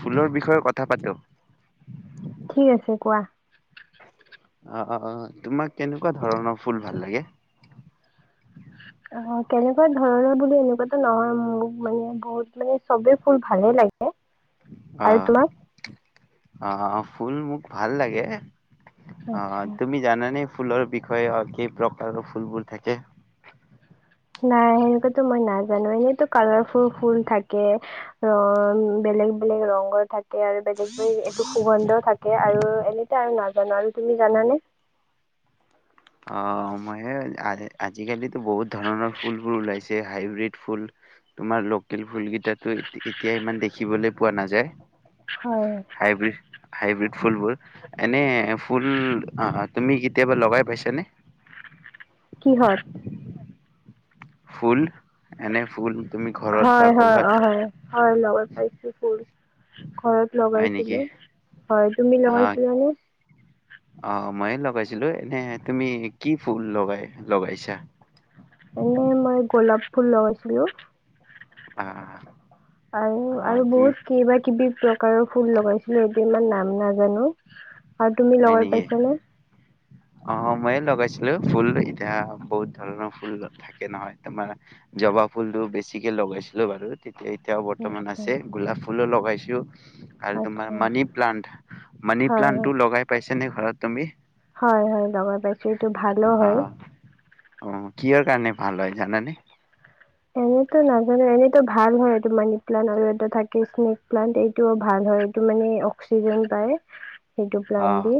ফুলৰ বিষয়ে কথা পাতোঁ। ঠিক আছে কোৱা। অহ অহ তোমাক কেনেকুৱা ধৰণৰ ফুল ভাল লাগে। অ কেনেকুৱা ধৰণৰ বুলি এনেকুৱা‌তো নাই মোক মানে বহুত মানে চবে ফুল ভালে লাগে। অ আৰু তোমাক? অ ফুল মোক ভাল লাগে অ আচ্ছা। তুমি জানানে। ফুলৰ বিষয়ে অ কেই প্ৰকাৰৰ ফুলবোৰ থাকে। নাই সেনেকুৱাতো মই নাজানো এনেইটো কালাৰফুল ফুল থাকে বেলেগ বেলেগ ৰঙৰ থাকে আৰু বেলেগ বেলেগ এইটো সুগন্ধ থাকে আৰু এনে আৰু নাজানো আৰু তুমি জানানে। অ মই আজিকালি তো বহুত ধৰণৰ ফুলবোৰ ওলাইছে হাইব্ৰীড ফুল তোমাৰ লোকেল ফুলকেইটাতো এতিয়া ইমান দেখিবলৈ পোৱা নাযায়। হয় হাইব্ৰীড হাইব্ৰীড ফুলবোৰ এনে ফুল অ তুমি কেতিয়াবা লগাই পাইছ। তেনে কি হয় ফুল এনে ফুল তুমি ঘৰত বা হয় হয় কৰ'বাত অ হয় লগাই পাইছোঁ ফুল। ঘৰত হয় নেকি লগাইছিলোঁ হয় তুমি লগাইছিলানে। অহ মইয়ে লগাইছিলোঁ এনে তুমি কি ফুল লগাই লগাইছা। এনে মই গোলাপ ফুল লগাইছিলোঁ। আহ আৰু অ আৰু তুমি বহুত কিবা কিবি প্ৰকাৰৰ ফুল লগাইছিলে। ইমান নাম নাজানো। আৰু তুমি হয় লগৰ নেকি পাইছানে। অ ময়ে লগাইছিলোঁ ফুল এতিয়া বহুত ধৰণৰ ফুল থাকে নহয়। তোমাৰ জবা ফুল বেছিকে লগাইছিলোঁ বাৰু। এতিয়াও বৰ্তমান আচ্ছা আছে গোলাপ। ফুলো লগাইছোঁ। আৰু তোমাৰ আচ্ছা। মানি প্লানট মানি হয় হয় প্লানটো লগাই। আছে নে ঘৰত তুমি। হয় হয় লগৰ পাইছোঁ এইটো ভালো অ হয়। অ কিহৰ কাৰণে ভাল হয় জানানে। এনেতো নাজানো এনেতো ভাল হয় এইটো মানি প্লানট আৰু এটা থাকে স্নেক প্লানট এইটোও ভাল হয় এইটো মানে অক্সিজেন পায়। সেইটো অ প্লান দি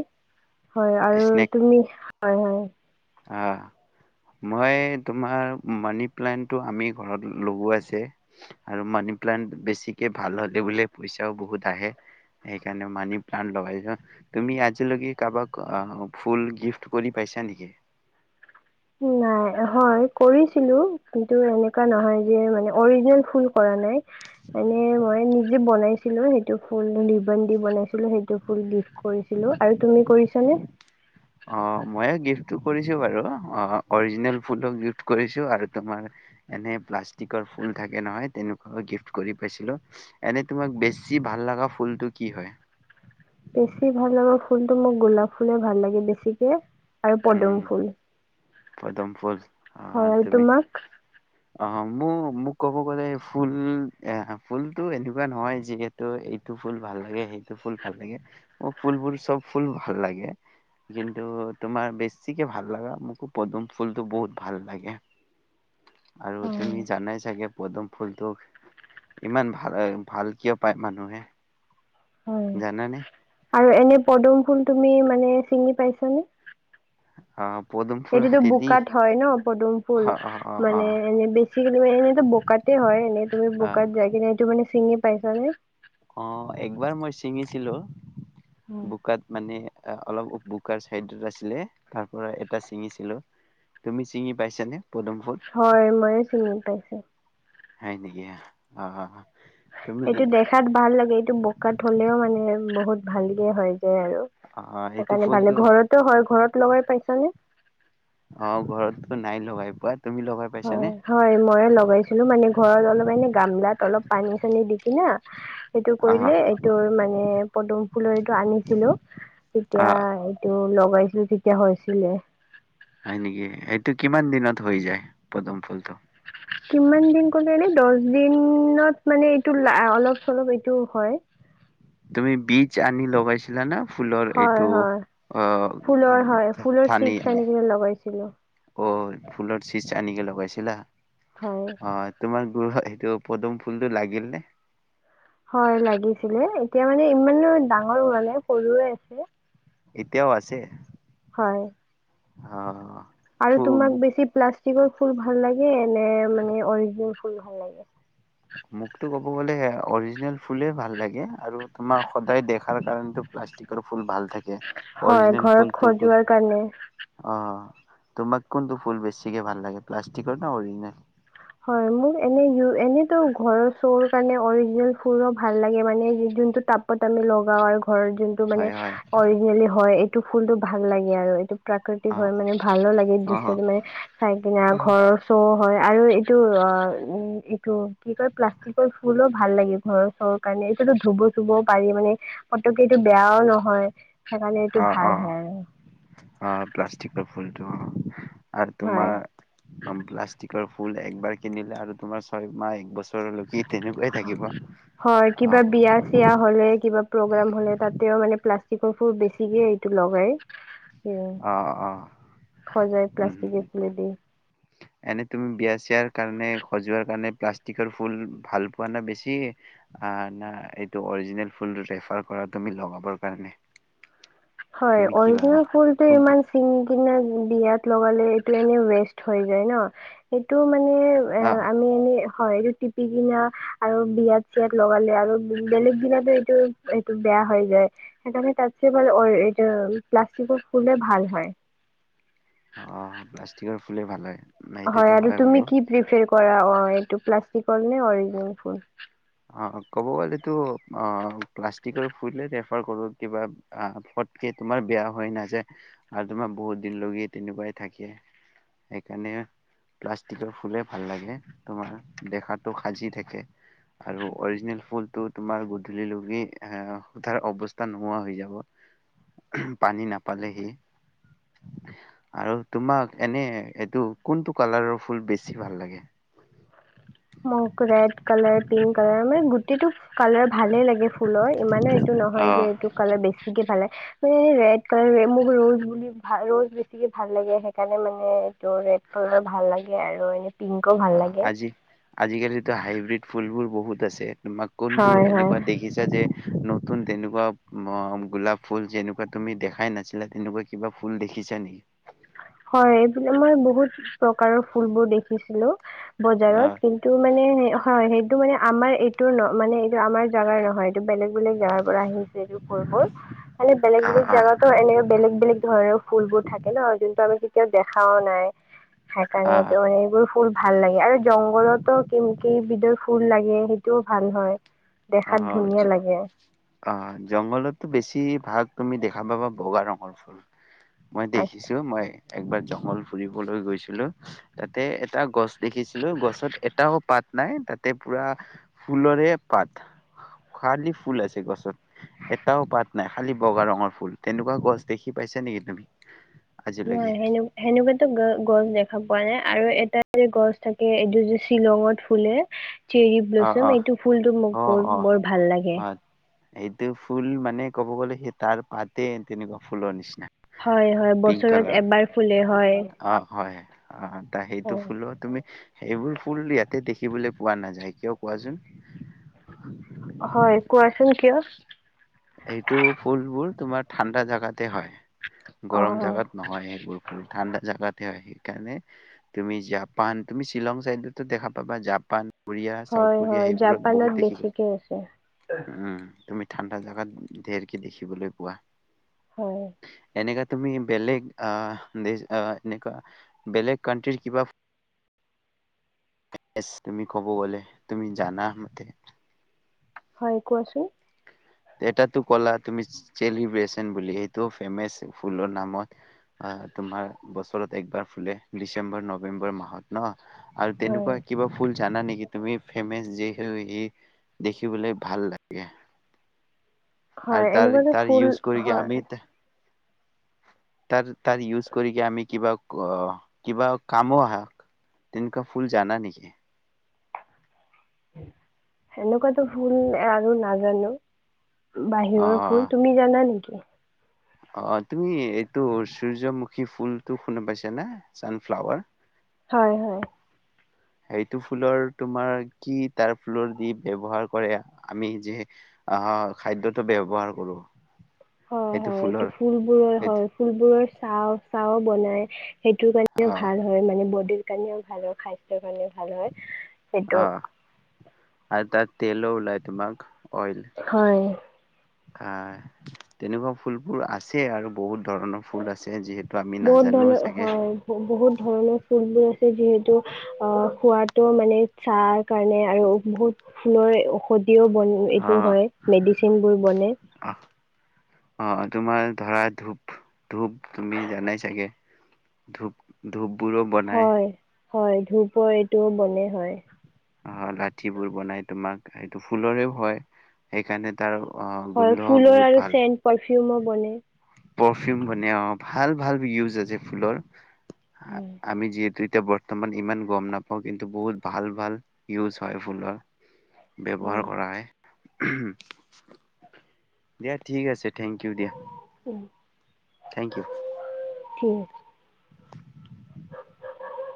হয় আৰু স্নেক তুমি। হয় হয়। অ মই তোমাৰ মানি প্লানটটো আমি ঘৰত লগো আছে আৰু মানি প্লানট বেছিকে ভাল হ'লে বোলে পইচাও বহুত আহে সেইকাৰণে মানি প্লান লগাইছ তুমি আজিলৈকে কাৰোবাক ফুল গিফ্ট কৰি পাইছা নেকি? নাই হয় কৰিছিলো কিন্তু এনেকুৱা নহয় যে অজিনেল ফুল কৰা নাই এনে মই নিজে বনাই ছিলো ফুল টো দি ৰিবন দি কৰিছিলো আৰু তুমি কৰিছিল নে। অ মই গিফ্টটো কৰিছো বাৰু অ। অৰিজনে ফুলক গিফ্ট। কৰিছো আৰু তোমাৰ এনে প্লাষ্টিকৰ ফুল থাকে নহয় তেনেকুৱ গিফ্ট কৰি পাইছিলো এনে তোমাক বেছি ভাল লগা ফুলটো কি হয়? বেছি ভাল লাগে ফুলটো মোক গোলাপ ফুলে ভাল লাগে বেছিকে? আৰু পদম ফুল। পদ্মম ফুল। অ' হয় আৰু তুমি তোমাক? অ মোৰ মোক ক'ব গ'লে ফুল এ ফুলতটো এনেকুৱা নহয় যিহেতু এইটো ফুল ভাল লাগে সেইটো ফুল ভাল লাগে ম ফুলবোৰ চব ফুল ভাল লাগে কিন্তু? তোমাৰ বেছিকে ভাল লগা মোকো পদুম ফুলতটো বহুত ভাল লাগে? আৰু হয় তুমি জানাই চাগে? পদম ফুলটোক ইমান ভাল ভাল কিয় পায় মানুহে। হয় জান নে? আৰু এনে পদুম ফুল তুমি মানে ছিঙি পাইছানে? অ। পদুম ফুল এইটোতো হাতেদি বোকাত হয় ন পদুম ফুল অ অ অ অ মানে এনে বেছিক এনে বোকাতে হয় এনে তুমি অ বোকাত যাই কিনে এইটো মানে চিঙি? পাইছা নে? অ' একবাৰ মই ছিঙিছিলো। বোকাত মানে। অলপ বোক চাইডত আছিলে তাৰ পৰা এটা চিঙিছিলো তুমি চিঙি পাইছানে? পদুম ফুল হয় ময়ো চিঙো। পাইছেো। হয় নেকি অ'? তুমি এইটো দেখাত ভাল লাগে, এইটো বোকাত হলেও মানে বহুত? ভালকে হয় যায় আৰু। অ' অ' এইটো সেইকাৰণে ভালে ফুলটো ঘৰতো হয় ঘৰত লগাই পাইছানে অ' ঘৰততো নাই লগাই পোৱা। তুমি লগাই পাইছানে হয়- হয় মই লগাইছিলো মানে। ঘৰত অলপ এনে গামলাত অলপ পানী চানী দি কিনে? সেইটো অ কৰিলে এইটো মানে পদুম ফুলৰ এইটো আনিছিলো অ তেতিয়া এইটো লগাই। তেতিয়া হৈছিলে। হয় নেকি? এইটো কিমান দিনত হৈ যায় পদুম ফুলটো? কিমান দিন ক'লে এনে দহ দিনত মানে এইটো অলপ চলপ এইটো হয়। তুমি বীজ আনি লগাইছিলা ন? হয় -হয় ফুলৰ হয় ফুলৰ চিড আনি লগাইছিলো। অ', ফুলৰ চিজ আনকৈ লগাইছিলা? হয় অ' তোমাৰ ফুল হয় সেইটো পদুম ফুলটো লাগিল নে? হয় লাগিছিলে এতিয়া মানে ইমানো ডাঙৰ হোৱা নাই সৰুৱে আছে। এতিয়াও আছে। হয়। অ', আৰু ফু তোমাক বেছি প্লাষ্টিক যিবোৰ ফুল ভাল লাগে নে মানে অৰিজিনেল ফুল ভাল লাগে? মোকতটো ক'ব গ'লে অৰিজিনেল ফুলে ভাল লাগে। আৰু তোমাৰ সদায় দেখাৰ কাৰণো প্লাষ্টিকৰ ফুল ভাল। থাকে হয় অৰিজিনেল ঘৰত ফুলটো সজোৱাৰ কাৰণে অ' তোমাক কোনটো ফুল বেছিকে ভাল লাগে প্লাষ্টিকৰ নে অৰিজনেল? হয়, মোৰ এনে এনেতো ঘৰৰ চৌ' কাৰণে অৰিজিনেল ফুলো ভাল লাগে মানে যোনটো তাপত আমি লগাও আৰু ঘৰ যোনটো মানে হয় হয় অৰিজিনেলি হয়। এইটো ফুলতটো ভাল লাগে আৰু এইটো অ প্ৰাকৃতিক হয় মানে ভালো লাগে অ দৃশ্যটো মানে চাই কিনে অ ঘৰৰ চৌ হয় আৰু এইটো অ উ এইটো কি কয় প্লাষ্টিকৰ ফুলো ভাল লাগে ঘৰৰ চৰ কাৰণে এইটোতো ধুব চুবও পাৰি মানে পতককে এইটো বেয়াও নহয় সেইকাৰণে এইটো অ অ ভাল হয় আৰু অ প্লাষ্টিকৰ ফুলটো অ আৰু হয় তোমাৰ প্লাষ্টিক ফুল একবাৰ কিনিলে আৰু তোমাৰ ছয় মাহ এক বছৰ লৈ হয় কিবা বিয়া চিয়া হ'লে কিবা প্ৰগেম হ'লে তাতেওমানে প্লাষ্টিকৰ প্লাষ্টিকৰ ফুল বেছিকে এইটো লগাই উ অ অ সজাই উম প্লাষ্টিকৰ ফুলেদি এনে তুমি বিয়া চিয়াৰ কাৰণে সজোৱাৰ কাৰণে প্লাষ্টিকৰ ফুল ভাল পোৱা না বেছি না এইটো অৰিজিনেল ফুল ৰেফাৰ কৰা তুমি লগাবৰ কাৰণে হয় তুমি কি ভাবা অৰিজিনেল ফুলটো কোনটো ইমান চিঙি কিনে বিয়াত লগালে এইটো এনেও বেষ্ট হৈ যায় ন সেইটো মানে এ আহ আমি এনে হয় এইটো টিপি কিনা আৰু বিয়াত চিয়াত লগালে আৰু বেলেগ দিনতো এইটো এইটো বেয়া হৈ যায় সেইকাৰণে তাতকে বাৰু অৰি এ প্লাষ্টিক ফুলে ভাল হয় অ প্লাষ্টিকৰ ফুলে ভাল হয় না, হয় এইটোতো আৰু তুমি বাৰু কি প্ৰিফাৰ কৰা হয় প্লাষ্টিকৰ নে অৰিজিনেল ফুল অ ক'ব গ'লে অ প্লাষ্টিকৰ ফুলেই ৰেফাৰ কৰো কিবা ফটক তোমাৰ বেয়া হৈ নাযায় আৰু তোমাৰ বহুত দিন লগে তেনেকুৱাই থাকে সেইকাৰণে প্লাষ্টিকৰ ফুলে ভাল লাগে তোমাৰ দেখাতটো সাজি থাকে আৰু অৰিজিনেল ফুলটো তোমাৰ গধূলি লগাই এ তাৰ অৱস্থা নোহোৱা হৈ যাব পানী নাপালে সি আৰু তোমাক এনে এইটো কোনটো কালাৰৰ ফুল বেছি ভাল লাগে মই ৰেড কালাৰ পিংক কালাৰ মানে গোটেইটো। কালাৰ ভালেই লাগে ফুলৰ ইমানে এইটো নহয় যে অ'। এইটো কালাৰ বেছিকে ভাল লাগে। মানে ৰেড কালাৰ মোক ৰ'জ বুলি ভ ৰ'জ বেছিকে ভাল লাগে সেইকাৰণে মানে এইটো ৰেড কালাৰ ভাল লাগে আৰু এনে। পিংকো ভাল লাগে। আজি আজিকালিতো হাইব্ৰীড ফুলবোৰ বহুত আছে। তোমাক কোনটো হয় হয় এনেকুৱা দেখিছা যে? নতুন তেনেকুৱা গোলাপ ফুল যেনেকুৱা তুমি দেখাই নাছিলা তেনেকুৱা কিবা ফুল দেখিছা নেকি? হয় এইবিলাক মই বহুত প্ৰকাৰৰ ফুলবোৰ দেখিছিলো। বজাৰত অ', কিন্তু মানে, হয় সেইটো মানে আমাৰ এইটো ন মানে এইটো আমাৰ জাগাৰ নহয়। এইটো বেলেগ বেলেগ জেগাৰ পৰা আহিছে এইটো ফুলবোৰ খালি বেলেগ বেলেগ অ'। জেগাতো এনেকে বেলেগ বেলেগ ধৰণৰ ফুল বোৰ থাকে ন যোন। আমি কেতিয়াও দেখাও নাই। সেইকাৰণে আহ এইটো এইবোৰ ফুল ভাল লাগে আৰু জংঘলতো কে কেইবিধৰ ফুল লাগে সেইটোও ভাল হয়। অ দেখাত ধুনীয়া লাগে অ জংঘলততো বেছি, ভাগ তুমি দেখা পাবা বগা ৰঙৰ ফুল। মই দেখিছো মই। একবাৰ জংঘল ফুৰিবলৈ গৈছিলো তাতে এটা গছ দেখিছিলো গছত এটাও পাত নাই তাতে পুৰা ফুলৰে পাত। খালী ফুল আছে গছত এটাও পাত নাই খালী বগা ৰঙৰ ফুল তেনেকুৱা গছ দেখি পাইছা নেকি তুমি? আজিলৈকে নাই সেনে সেনেকুৱেতো গ গছ দেখা পোৱা নাই। আৰু এটা যে গছ থাকে এইটো যে শ্বিলঙত ফুলে। চেৰি অ ব্লচুম অ এইটো ফুলটো মোক বৰ বৰ ভাল লাগে। এইটো ফুল মানে ক'ব গ'লে সেই তাৰ পাতে তেনেকুৱা ফুলৰ নিচিনা। হয় হয় পিংক বছৰত কালাৰ এবাৰ ফুলে হয়। অ হয় অ। সেইটো হয় ফুলো তুমি, সেইবোৰ ফুল ইয়াতে দেখিবলৈ পোৱা নাযায়। কিয় কোৱাচোন? হয় কোৱাচোন কিয়? এইটো ফুলবোৰ তোমাৰ ঠাণ্ডা জাগাত। হয় অ গৰম অ জোগাত নহয় সেইবোৰ ফুল ঠাণ্ডা জাগাতে হয় সেই, সেইকাৰণে তুমি জাপান তুমি শ্বিলং চাইডতো দেখা পাবা জাপান। কোৰিয়া হয় চাউথ কোৰিয়া হয় সেইবোৰত জাপানত বহুত দেখিব বেছিকে আছে উ, তুমি ঠাণ্ডা জাগাত, ঢেৰকে দেখিবলৈ পোৱা। হয়। এনেকা তুমি বেলেগ আহ, এনেুৱা বেলেগ কানট্ৰিৰ কিবা [unintelligible] তুমি ক'ব গ'লে তুমি জানা মতে হয় কোৱাচোন? এটাতো ক'লা তুমি চেলিব্ৰেচন বুলি সেইটো ফেমাচ ফুলৰ নামত অ তোমাৰ বছৰত একবাৰ ফুলে ডিচেম্বৰ নৱেম্বৰ মাহত ন। আৰু হয় তেনেকুৱা কিবা ফুল জানা নেকি তুমি ফেমাচ যিহু সি দেখিবলৈ ভাল লাগে। হয় আৰু তাৰ এনেকুৱাতো তাৰ ফুল ইউজ কৰি কি হয় আমি তাৰ তাৰ ইউজ কৰি কে আমি কিবা, অ কিবা কামো আহা তেনেকুৱা ফুল জানা নেকি? সেনেকুৱাটো ভুল আৰু নাজানো। অ বাহিৰৰ ফুল তুমি জানা নেকি? অ তুমি এইটো সূৰ্যমুখী ফুলটো শুনা পাইছা নে, চানফ্লাৱাৰ হয় হয়। সেইটো ফুলৰ তোমাৰ কি তাৰ ফুলৰ দি ব্যৱহাৰ কৰে আমি যে আহ খাদ্যটো ব্যৱহাৰ কৰো। হয় সেইটো হয়, এইটো ফুলৰ ফুলবোৰৰ সেইটো হয়, ফুলবোৰৰ চাও চাহও বনাই সেইটো কাৰণেও অ ভাল হয় মানে বডিৰ [unintelligible] স্বাস্থ্যৰ কাৰণে ও ভাল হয় অ সেইটো আৰু তাত তেলো ওলাই তোমাক অইল হয় আহ তেনেকুৱা ফুলবোৰ আছে আৰু বহুত ধৰণৰ ফুল আছে যিহেতু আমি বহুত নাজানো ধৰণৰ চাগে হয় বহুত ধৰণৰ ফুলবোৰ আছে যিহেতু অ' খোৱাটো মানে চাহ কাৰণে আৰু বহুত ফুলৰে ঔষধ বন অ এইটো হয়, মেডিচিন বোৰ বনে অ তোমাৰ ধৰা ধূপ, ধূপ তুমি জানাই চাগে ধূপ, ধূপ বোৰো বনায়। হয় হয় ধুপৰ এইটোও বনে হয়। অ লাঠিবোৰ বনাই তোমাক সেইটো ফুলৰেও হয় সেইকাৰণে তাৰ আহ হয়, গোন্ধ ফুলৰ বহুত আৰু ভাল চেণ্ প ফিউমো বনে। পাৰফিউম মানে অৱ ভাল ভাল ইউজ ফুলৰ হয় আমি যিহেতু এতিয়া বৰ্তমান ইমান গম নাপাওঁ কিন্তু বহুত ভাল ভাল ইউজ হয় ফুলৰ হয় ব্যৱহাৰ কৰা হে দিয়া ঠিক আছে। থেংক ইউ দিয়া। Um, thank you. ঠিক আছে?